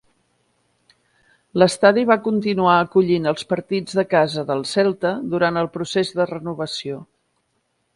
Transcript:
L'estadi va continuar acollint els partits de casa del Celta durant el procés de renovació.